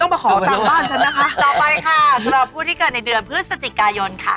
ต่อไปค่ะสำหรับผู้ที่เกิดในเดือนพฤศจิกายนค่ะ